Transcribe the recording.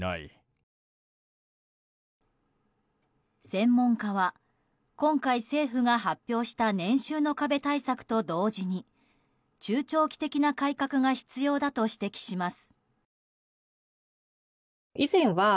専門家は今回、政府が発表した年収の壁対策と同時に中長期的な改革が必要だと指摘します。